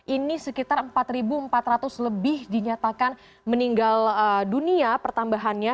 ini sekitar empat empat ratus lebih dinyatakan meninggal dunia pertambahannya